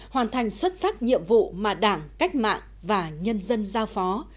hoàn thành xuất sắc nhiệm vụ mà đảng cách mạng và nhân dân giao phó